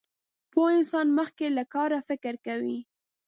پوه انسان مخکې له کاره فکر کوي.